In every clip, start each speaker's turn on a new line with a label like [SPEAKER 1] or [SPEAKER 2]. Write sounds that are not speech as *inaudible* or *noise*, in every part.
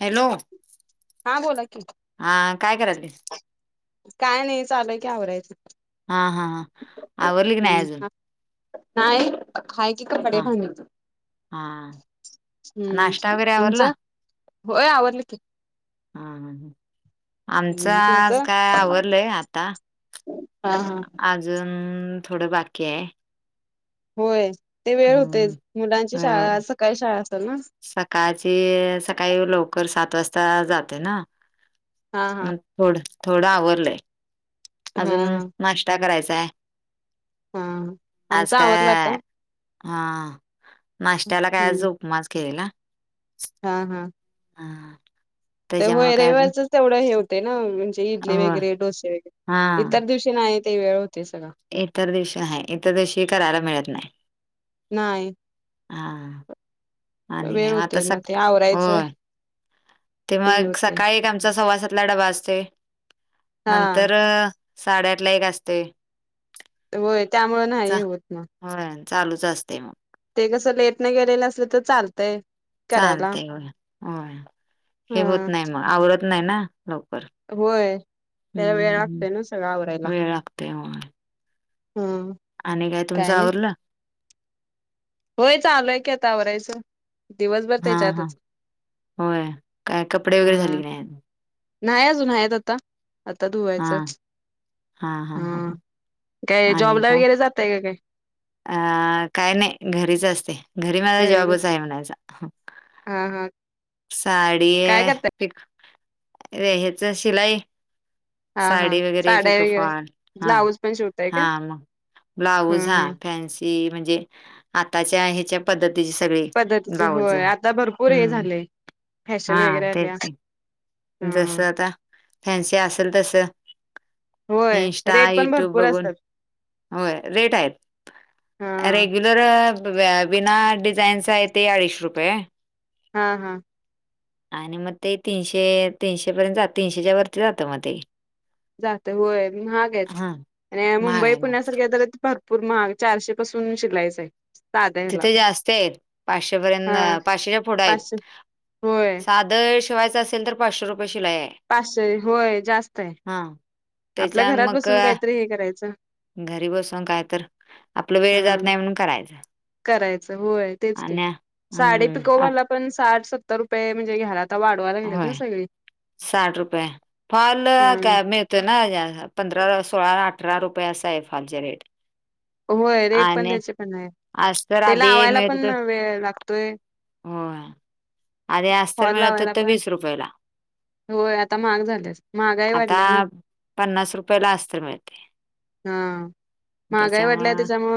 [SPEAKER 1] *inaudible* Hello
[SPEAKER 2] हा बोला कि
[SPEAKER 1] हा काय करायली
[SPEAKER 2] *inaudible* काय नाही चालय की आवरायचं
[SPEAKER 1] हा हा हां *inaudible* आवरडली की नाही अजून
[SPEAKER 2] हम्म नाही हाय की कपडे
[SPEAKER 1] हा
[SPEAKER 2] भांग *inaudible*
[SPEAKER 1] हा
[SPEAKER 2] *inaudible* हम्म
[SPEAKER 1] नाश्ता वगैरे आवरला
[SPEAKER 2] तुमचं होय आवडली की
[SPEAKER 1] *inaudible* हा हा हा आमचं
[SPEAKER 2] हम्म
[SPEAKER 1] आज
[SPEAKER 2] तुमचं
[SPEAKER 1] काय आवडलंय आता
[SPEAKER 2] हा हा
[SPEAKER 1] *inaudible* अजून थोडं बाकी आहे *inaudible*
[SPEAKER 2] होय ते वेळ होते
[SPEAKER 1] हम्म
[SPEAKER 2] मुलांची
[SPEAKER 1] अ,
[SPEAKER 2] शाळा सकाळी शाळा असतात ना *inaudible*
[SPEAKER 1] *inaudible* सकाळची सकाळी लवकर सात वाजता जाते ना
[SPEAKER 2] *inaudible* हा हा
[SPEAKER 1] मग थोड थोडं आवरलय *inaudible*
[SPEAKER 2] हा
[SPEAKER 1] अजून
[SPEAKER 2] हा
[SPEAKER 1] नाश्ता करायचाय
[SPEAKER 2] *inaudible* हा आमचा आवडलाता
[SPEAKER 1] हा *inaudible* नाश्त्याला काय
[SPEAKER 2] हम्म
[SPEAKER 1] उपमास केलेला
[SPEAKER 2] *inaudible* हा हा
[SPEAKER 1] *inaudible* हम
[SPEAKER 2] होय रविवारच तेवढं हे होते ना म्हणजे इडली
[SPEAKER 1] हो
[SPEAKER 2] वगैरे डोसे वगैरे *inaudible*
[SPEAKER 1] हा
[SPEAKER 2] इतर दिवशी नाही आहे ते वेळ होते सगळं *inaudible*
[SPEAKER 1] इतर दिवशी आहे इतर दिवशी करायला मिळत नाही
[SPEAKER 2] नाही
[SPEAKER 1] हा आणि
[SPEAKER 2] वेळ
[SPEAKER 1] आता
[SPEAKER 2] होतोय
[SPEAKER 1] स
[SPEAKER 2] मग ते आवरायचं
[SPEAKER 1] होय ते
[SPEAKER 2] हे
[SPEAKER 1] मग
[SPEAKER 2] होते
[SPEAKER 1] सकाळी एक आमचा सव्वा सातला डबा असतो
[SPEAKER 2] हा
[SPEAKER 1] नंतर साडेआठ ला एक असते
[SPEAKER 2] होय त्यामु नाही होत ना
[SPEAKER 1] हो चालूच असते मग
[SPEAKER 2] ते कसं लेट नाही गेलेलं असले तर चालतंय करायला
[SPEAKER 1] चालते होय होय हे
[SPEAKER 2] हा
[SPEAKER 1] होत नाही मग आवडत नाही ना लवकर
[SPEAKER 2] होय त्या वेळ
[SPEAKER 1] हम्म
[SPEAKER 2] लागतोय ना सगळं आवरायला
[SPEAKER 1] वेळ लागतोय होय
[SPEAKER 2] हम
[SPEAKER 1] आणि काय तुमचं आरलं
[SPEAKER 2] होय चालूय कता वरायचं
[SPEAKER 1] हा हा होय काय कपडे वगैरे
[SPEAKER 2] हा
[SPEAKER 1] झाले नाही
[SPEAKER 2] नाही अजून आहेत आता आता
[SPEAKER 1] हा
[SPEAKER 2] धुवायचं हा काय जॉबला वगैरे जातय का काय
[SPEAKER 1] अ काय नाही घरीच असते घरी माझा
[SPEAKER 2] घरीच
[SPEAKER 1] जॉबच आहे म्हणायचा
[SPEAKER 2] हा हा
[SPEAKER 1] सा डीे
[SPEAKER 2] काय करताय
[SPEAKER 1] ह्याच शिलाई
[SPEAKER 2] हा हा
[SPEAKER 1] साडी वगैरे
[SPEAKER 2] साड्या वगैरे
[SPEAKER 1] फिकफाळ हा
[SPEAKER 2] ब्लाऊज पण शिवताय का
[SPEAKER 1] हा मग
[SPEAKER 2] ह
[SPEAKER 1] ब्लाऊज हा
[SPEAKER 2] ह
[SPEAKER 1] फॅन्सी म्हणजे आताच्या ह्याच्या पद्धतीची सगळी
[SPEAKER 2] पद्धतीचे
[SPEAKER 1] लाव जा
[SPEAKER 2] होय आता भरपूर हे
[SPEAKER 1] हम्म
[SPEAKER 2] झाले
[SPEAKER 1] हा
[SPEAKER 2] फॅशन वगैरे
[SPEAKER 1] तेच
[SPEAKER 2] आल्या
[SPEAKER 1] का जस
[SPEAKER 2] ह
[SPEAKER 1] आता त्यांशी असेल तस
[SPEAKER 2] होय
[SPEAKER 1] इंस्टा
[SPEAKER 2] रेट पण
[SPEAKER 1] युट्यूब
[SPEAKER 2] भरपूर
[SPEAKER 1] बघून
[SPEAKER 2] असतात
[SPEAKER 1] होय रेट आहेत
[SPEAKER 2] हा
[SPEAKER 1] रेग्युलर विना डिझाईनच आहे ते अडीच रुपये
[SPEAKER 2] हा हा
[SPEAKER 1] आणि मग ते तीनशे तीनशे पर्यंत तीनशेच्या वरती जात मग ते
[SPEAKER 2] जात होय हाग आहे
[SPEAKER 1] हां,
[SPEAKER 2] आणि
[SPEAKER 1] महाग
[SPEAKER 2] मुंबई
[SPEAKER 1] आहे मग.
[SPEAKER 2] पुण्यासारखे पूर् म चारशे पासून शिकायचंय
[SPEAKER 1] तिथे जास्त आहेत पाचशे पर्यंत
[SPEAKER 2] हा
[SPEAKER 1] पाचशेच्या फुढं आहेत
[SPEAKER 2] पाचशे होय
[SPEAKER 1] साधं शिवायचं असेल तर पाचशे रुपये शिलाय
[SPEAKER 2] पाचशे होय जास्त आहे
[SPEAKER 1] हा
[SPEAKER 2] आपल्या घरात बसून काहीतरी हे करायचं
[SPEAKER 1] घरी बसून काय तर आपलं वेळ जात नाही म्हण करायचं आणि
[SPEAKER 2] सा
[SPEAKER 1] हं,
[SPEAKER 2] पिक
[SPEAKER 1] आप
[SPEAKER 2] पण साठ सत्तर रुपये म्हणजे घय
[SPEAKER 1] होय साठ रुपये फल
[SPEAKER 2] ह
[SPEAKER 1] काय म ना पंधरा सोळा अठरा रुपये असा आहे फालच्या रेट
[SPEAKER 2] होय रेट पण
[SPEAKER 1] आणि
[SPEAKER 2] त्याचे पण आहे
[SPEAKER 1] अस्तर
[SPEAKER 2] त्याला आवायला पण वेळ लागतोय
[SPEAKER 1] हो आधी अस्तर
[SPEAKER 2] फॉल
[SPEAKER 1] मिळत हो
[SPEAKER 2] लावायला
[SPEAKER 1] तर
[SPEAKER 2] पण
[SPEAKER 1] वीस रुपयेला
[SPEAKER 2] होय आता महाग झालेस महागाई
[SPEAKER 1] आता
[SPEAKER 2] वाढल्या ना
[SPEAKER 1] पन्नास रुपयला अस्त्र मिळते
[SPEAKER 2] हा महागाय वाटल्या
[SPEAKER 1] त्याच्यामुळं
[SPEAKER 2] त्याच्यामु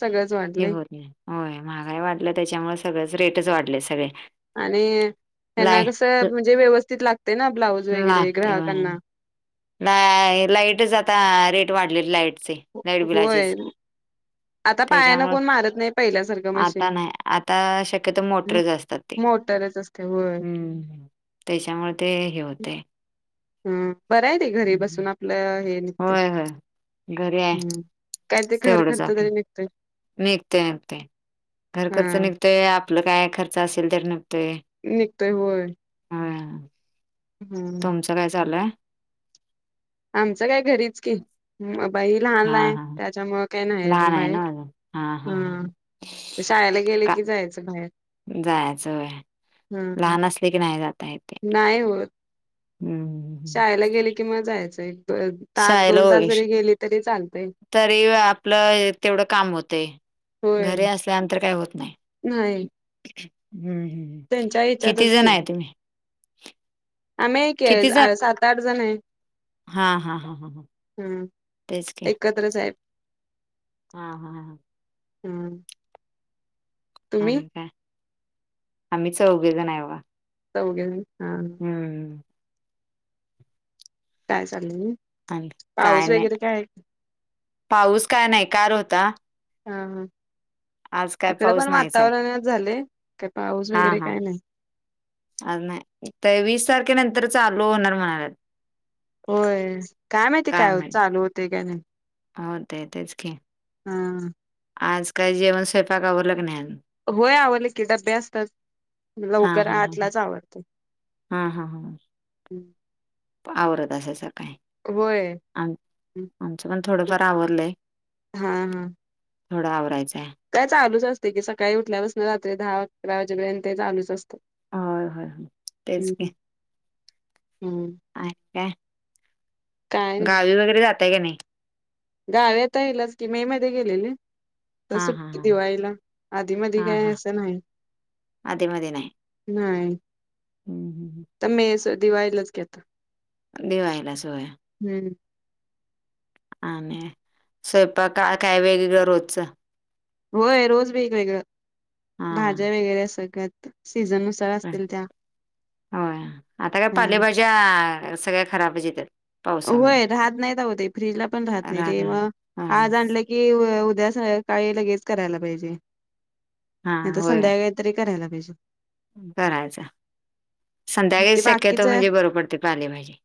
[SPEAKER 2] सगळं
[SPEAKER 1] हे होत नाही होय महागाई वाढलं त्याच्यामुळे सगळंच रेटच वाढले सगळे
[SPEAKER 2] आणि त्यांना
[SPEAKER 1] लाय
[SPEAKER 2] कस म्हणजे व्यवस्थित लागते ना ब्लाऊज वगैरे
[SPEAKER 1] लागते होय
[SPEAKER 2] ग्राहकांना
[SPEAKER 1] ला लाईटच आता रेट वाढलेली लाईटचे लाईट
[SPEAKER 2] होय
[SPEAKER 1] बिलाचेच.
[SPEAKER 2] आता पायानं
[SPEAKER 1] त्याच्यामुं
[SPEAKER 2] कोण मारत नाही पहिल्यासारखं
[SPEAKER 1] आता
[SPEAKER 2] मशीन.
[SPEAKER 1] नाही आता शक्यतो मोटरज असतात. ते
[SPEAKER 2] मोटरच असते होय.
[SPEAKER 1] हम्म त्याच्यामुळे ते हे होते.
[SPEAKER 2] हम बरं आहे र घरी बसून आपलं हे निघते
[SPEAKER 1] होय होय घरी आहे
[SPEAKER 2] हम्म काय ते घर
[SPEAKER 1] तेवढंच
[SPEAKER 2] खर्च
[SPEAKER 1] आपलं
[SPEAKER 2] तरी निघतोय.
[SPEAKER 1] निघते निघते घर
[SPEAKER 2] हा
[SPEAKER 1] खर्च निघतोय आपलं काय खर्च असेल तर निघतोय.
[SPEAKER 2] निघत होय.
[SPEAKER 1] हा.
[SPEAKER 2] हम्म.
[SPEAKER 1] काय चाललंय.
[SPEAKER 2] आमचं काय घरीच की बाई लहान
[SPEAKER 1] हा
[SPEAKER 2] लहान
[SPEAKER 1] हा
[SPEAKER 2] त्याच्या मु काय नाही अजून
[SPEAKER 1] लहान आहे
[SPEAKER 2] बाहेर
[SPEAKER 1] ना माझं
[SPEAKER 2] हा शाळेला गेले की जायचं बाहेर.
[SPEAKER 1] जायचंय
[SPEAKER 2] हा
[SPEAKER 1] लहान असले की नाही जात य तेे.
[SPEAKER 2] नाही होत.
[SPEAKER 1] हम् हम.
[SPEAKER 2] किं जायचंय तास
[SPEAKER 1] शाळेला
[SPEAKER 2] दोन तास
[SPEAKER 1] होय
[SPEAKER 2] जरी गेली तरी चालतय.
[SPEAKER 1] तरी आपलं तेवढं काम होते
[SPEAKER 2] होय
[SPEAKER 1] घरी असल्यानंतर काही होत नाही.
[SPEAKER 2] नाही.
[SPEAKER 1] हम्म हम्.
[SPEAKER 2] त्यांच्या हच्यातच क आम्ही एक के सात आठ जण आहे.
[SPEAKER 1] हां हां हां हां ह तेच के.
[SPEAKER 2] साहेब.
[SPEAKER 1] हा हम ह.
[SPEAKER 2] हम्म.
[SPEAKER 1] आणि काय आम्ही चौघे जण आहे बा.
[SPEAKER 2] चौघे जण हा.
[SPEAKER 1] हम्म.
[SPEAKER 2] काय चाललंय.
[SPEAKER 1] आणि काय
[SPEAKER 2] पाऊस
[SPEAKER 1] नाही
[SPEAKER 2] वगैरे काय आहे?
[SPEAKER 1] पाऊस काय नाही कार होता
[SPEAKER 2] हा हा
[SPEAKER 1] आज काय
[SPEAKER 2] इकडे पण
[SPEAKER 1] पाऊस नाहीच आहे
[SPEAKER 2] वातावरणात झाले काय पाऊस वगैरे काय नाही.
[SPEAKER 1] अ नाही तर वीस तारखेनंतर चालू होणार म्हणाल्यात.
[SPEAKER 2] होय काय माहितीय काय चालू होतेय का नाही.
[SPEAKER 1] हो ते तेच की.
[SPEAKER 2] हा.
[SPEAKER 1] आजकाल जेवण स्वयंपाकावरल का.
[SPEAKER 2] होय आवडले की डबे असतात
[SPEAKER 1] हा
[SPEAKER 2] लवकर
[SPEAKER 1] हा हा
[SPEAKER 2] आतलाच आवरतय.
[SPEAKER 1] हा हा हा.
[SPEAKER 2] हम्.
[SPEAKER 1] आवरत अस असं काही.
[SPEAKER 2] होय
[SPEAKER 1] आ आमचं पण थोडंफार आवरलंय.
[SPEAKER 2] हा हा
[SPEAKER 1] थोडं आवरायचं आहे.
[SPEAKER 2] काय चालूच असते की सकाळी उठल्यापासून रात्री दहा अकरा वाजेपर्यंत चालूच असतं.
[SPEAKER 1] ह होय होय तेच की.
[SPEAKER 2] हम्म हम्म.
[SPEAKER 1] अ काय
[SPEAKER 2] काय
[SPEAKER 1] गावी वगैरे जातय का नाही.
[SPEAKER 2] गाव्याता येईलच की मे मध्ये गेलेले. तर
[SPEAKER 1] हा हा
[SPEAKER 2] सुट्ट
[SPEAKER 1] हा
[SPEAKER 2] दिवाळीला आधी मध
[SPEAKER 1] हा
[SPEAKER 2] काय
[SPEAKER 1] हा
[SPEAKER 2] असं नाही.
[SPEAKER 1] आधी मधी नाही
[SPEAKER 2] नाही
[SPEAKER 1] हं, हं,
[SPEAKER 2] तर मेस दिवायलाच घेत.
[SPEAKER 1] दिवायला सोया.
[SPEAKER 2] हम्म.
[SPEAKER 1] आणि स्वयंपा का काय वेगळी दरोजचा.
[SPEAKER 2] होय रोज वेगवेगळ
[SPEAKER 1] हा
[SPEAKER 2] भाज्या वेगळ्या सगळ्यात सीझन नु
[SPEAKER 1] हं होया आता काय
[SPEAKER 2] ह
[SPEAKER 1] पालेभाज्या सगळ्या खराबचं येतात. पावसामध्ये
[SPEAKER 2] होय राहत नाही आहो ते फ्रीजला पण राहत नाही ते मग आज आणलं की कि उद्या स काळी लगेच करायला पाहिजे
[SPEAKER 1] हा
[SPEAKER 2] नाहीत संध्याकाळी तरी करायला पाहिजे.
[SPEAKER 1] करायचा संध्याकाळी
[SPEAKER 2] ते
[SPEAKER 1] शक्यत
[SPEAKER 2] बाकीचं
[SPEAKER 1] म्हणजे बर पडतंय पाले भाजी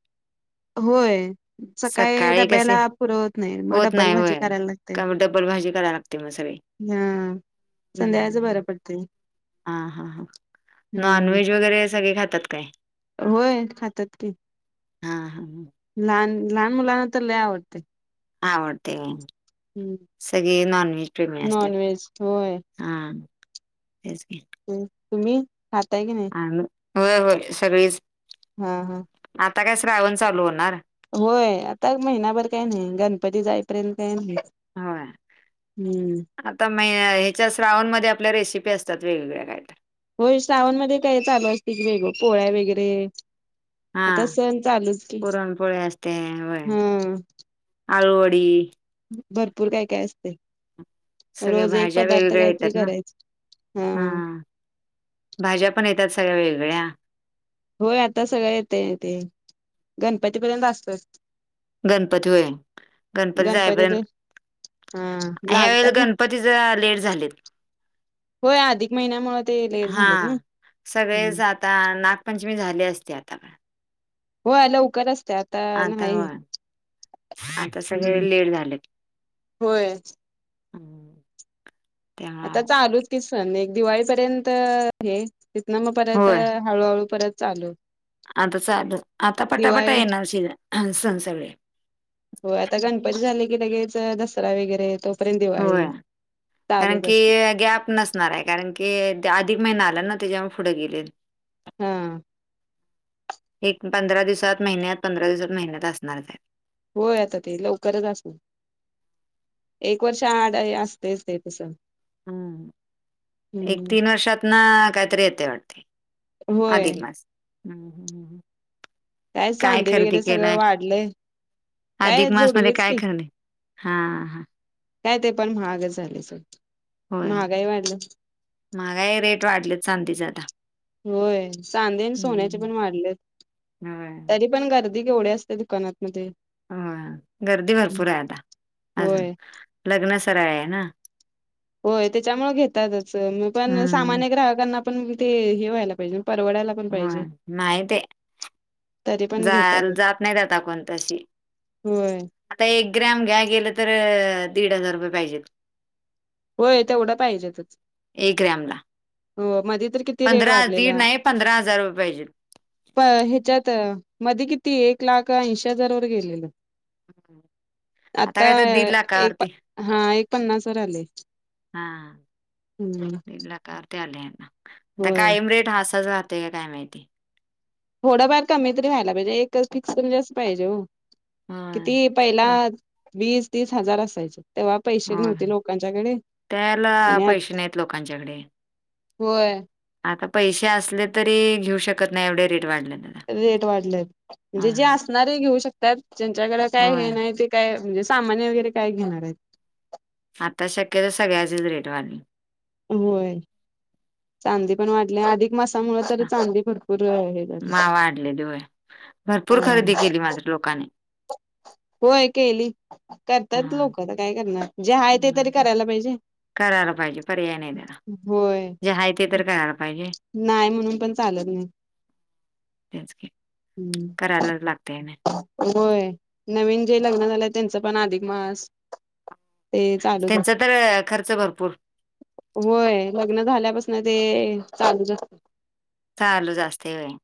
[SPEAKER 2] होय सकाळी
[SPEAKER 1] कसे
[SPEAKER 2] डब्याला पुरत नाही मग
[SPEAKER 1] होत
[SPEAKER 2] डब्बल
[SPEAKER 1] नाही
[SPEAKER 2] माझी
[SPEAKER 1] होय.
[SPEAKER 2] करायला ला
[SPEAKER 1] का डबल भाजी कराय लागते मग सगळी
[SPEAKER 2] न्य संध्याकाळचं बरं पडतय.
[SPEAKER 1] ह हा हा नॉन
[SPEAKER 2] हम्म
[SPEAKER 1] व्हेज वगैरे सगळे खातात काय?
[SPEAKER 2] होय खात्यात की
[SPEAKER 1] हां हां हं
[SPEAKER 2] लहान लहान मुलांना तर लय आवडतय.
[SPEAKER 1] आवडतय हो सगळे नॉन व्हेज प्रेमी असतात.
[SPEAKER 2] नॉन व्हेज होय
[SPEAKER 1] हा तेच की
[SPEAKER 2] मं तुम्ही खाताय की नाय.
[SPEAKER 1] आम्ही होय होय सगळीचं
[SPEAKER 2] हा हा
[SPEAKER 1] आता काय श्रावण चालू होणार.
[SPEAKER 2] होय आता महिनाभर काही नाही गणपती जायपर्यंत *unintelligible*
[SPEAKER 1] होय आता म ह्याच्या श्रावण मध्ये आपल्या रेसिपी असतात वेगवेगळ्या काय तर
[SPEAKER 2] हो श्रावण मध्ये काय चालू असतय की वेगळं पोळ्या वगैरे आता
[SPEAKER 1] हा.
[SPEAKER 2] सण चालूच की
[SPEAKER 1] पुरणपोळी
[SPEAKER 2] हा
[SPEAKER 1] आळुवडी
[SPEAKER 2] भरपूर काय काय असतय.
[SPEAKER 1] सगळ्या
[SPEAKER 2] रोज एक
[SPEAKER 1] भाज्या
[SPEAKER 2] पदार्थ
[SPEAKER 1] वेगवेगळ्या
[SPEAKER 2] काहीतरी
[SPEAKER 1] येतात ना
[SPEAKER 2] करायच हा
[SPEAKER 1] भाज्या पण येतात सगळ्या वेगळ्या
[SPEAKER 2] होय आता सगळं येतय ते गणपतीपर्यंत असतात.
[SPEAKER 1] गणपती होय गणपती जायपर्यंत
[SPEAKER 2] हा
[SPEAKER 1] ह्या वेळेस
[SPEAKER 2] लागतात ना
[SPEAKER 1] गणपती जरा लेट झालेत.
[SPEAKER 2] होय अधिक महिन्यामुळ ते लेट झालेत ना. हूं -
[SPEAKER 1] ता नागपंचमी झाली असते आता पण
[SPEAKER 2] होय लवकर असते आता
[SPEAKER 1] आता
[SPEAKER 2] नाही.
[SPEAKER 1] होय आता
[SPEAKER 2] हम्म
[SPEAKER 1] सगळे लेट झालेत
[SPEAKER 2] होय. आता
[SPEAKER 1] त्यामुळे
[SPEAKER 2] चालूच की सणं एक दिवाळीपर्यंत हे तिथ ना म परत
[SPEAKER 1] होय
[SPEAKER 2] हळूहळू परत चालू
[SPEAKER 1] आता चालू आता पटापटा
[SPEAKER 2] दिवाळी
[SPEAKER 1] येणार शि सणं सगळे
[SPEAKER 2] होय आता गणपती झाले की लगेच दसरा वगैरे येतो.
[SPEAKER 1] होय कारण की
[SPEAKER 2] असते
[SPEAKER 1] गॅप नस णार हाय कारण की अधिक महिना आला ना त्याच्यामुळ पुढे गेलेत.
[SPEAKER 2] हा
[SPEAKER 1] एक पंधरा दिवसात महिन्यात पंधरा दिवसात महिन्यात असणार ते
[SPEAKER 2] होय आता ते लवकरच असन एक वर्ष आड असतेच ते तस
[SPEAKER 1] हम्म हं एक तीन वर्षात ना कायतरी येते वाटते.
[SPEAKER 2] होय
[SPEAKER 1] अधिकमास हूं हूं हूं
[SPEAKER 2] काय चांदीे वगैरे सगळं वाढलंय. काय
[SPEAKER 1] अधिक मासमध्ये
[SPEAKER 2] जोडवीच
[SPEAKER 1] काय
[SPEAKER 2] की
[SPEAKER 1] खर नाय हां हां
[SPEAKER 2] काय ते पण महागच झाले सोड
[SPEAKER 1] होय मगाय रेट वाढलेत चांदीच आता
[SPEAKER 2] होय सांधे आणि सोन्याचे
[SPEAKER 1] हम्म,
[SPEAKER 2] पण वाढले
[SPEAKER 1] होय
[SPEAKER 2] तरी पण गर्दी केवढी असते दुकानातमध्येध्ये
[SPEAKER 1] हो गर्दी भरपूर आहे आता अजून
[SPEAKER 2] होय
[SPEAKER 1] लग्न सरळ आहे ना
[SPEAKER 2] होय त्याच्यामुळे घेतातच पण
[SPEAKER 1] हम्म
[SPEAKER 2] सामान्य ग्राहकांना पण ते हे व्हायला पाहिजे परवड्याला
[SPEAKER 1] हा नाहीय ते
[SPEAKER 2] तरी पण
[SPEAKER 1] जा
[SPEAKER 2] घेतात
[SPEAKER 1] जात नाहीत आता कोणतशी
[SPEAKER 2] होय
[SPEAKER 1] आता एक ग्रॅम घ्या गेलं तर दीड हजार रुपये पाहिजे
[SPEAKER 2] होय तेवढा पाहिजेतच
[SPEAKER 1] एक ग्रॅम ला
[SPEAKER 2] हो मध तर किती रेट
[SPEAKER 1] पंधरा दीड
[SPEAKER 2] वाढलेला
[SPEAKER 1] नाही पंधरा हजार रुपये पाहिजे
[SPEAKER 2] प ह्याच्यात मध्ये किती एक लाख ऐंशी हजार वर गेलेले आता
[SPEAKER 1] काय तर दीड
[SPEAKER 2] एक
[SPEAKER 1] लाखावरती
[SPEAKER 2] हा एक पन्नास वर आले
[SPEAKER 1] हा
[SPEAKER 2] हम्म
[SPEAKER 1] एक लाखावरती आले आहे ना आता
[SPEAKER 2] होय
[SPEAKER 1] कायम रेट हसाच राहतो का काय माहिती
[SPEAKER 2] थोडंफार कमी तरी व्हायला पाहिजे एक फिक्स म्हणजे अस पाहिजे हो
[SPEAKER 1] होय
[SPEAKER 2] किती पहिला
[SPEAKER 1] तेच.
[SPEAKER 2] वीस तीस हजार असायचे तेव्हा पैसे
[SPEAKER 1] होय
[SPEAKER 2] नव्हते लोकांच्याकडे
[SPEAKER 1] त्याला
[SPEAKER 2] आणि
[SPEAKER 1] पैसे
[SPEAKER 2] आत
[SPEAKER 1] नाहीत लोकांच्याकडे.
[SPEAKER 2] होय
[SPEAKER 1] आता पैसे असले तरी घेऊ शकत नाही एवढे रेट वाढले त्याला
[SPEAKER 2] रेट वाढलेत
[SPEAKER 1] हा
[SPEAKER 2] म्हणजे जे असणारे घेऊ शकतात ज्यांच्याकडे काय हे
[SPEAKER 1] होय
[SPEAKER 2] नाही ते काय म्हणजे सामान्या वगैरे काय घेणार आहेत
[SPEAKER 1] आता शक्यत सगळ्याचीच रेट वाढली
[SPEAKER 2] होय चांदी पण वाढली अधिक मासामुळे तर चांदी भरपूर आहे
[SPEAKER 1] मा वा वाढलेलीय भरपूर
[SPEAKER 2] हा
[SPEAKER 1] खरेदी केली मात्र लोकांनी
[SPEAKER 2] होय केली करतात
[SPEAKER 1] हा
[SPEAKER 2] लोक आता काय करणार जे हाय ते तरी करायला पाहिजे
[SPEAKER 1] करायला पाहिजे
[SPEAKER 2] होय
[SPEAKER 1] पत काय
[SPEAKER 2] नाही म्हणून पण चालत नाही हम्म.
[SPEAKER 1] करायला लागतेय ना
[SPEAKER 2] होय नवीन जे लग्न झालंय त्यांचं पण अधिक मास ते चालूच अस
[SPEAKER 1] त्यांचा तर खर्च भरपूर
[SPEAKER 2] होय लग्न झाल्यापासून ते चालूच असत
[SPEAKER 1] चालू असते होय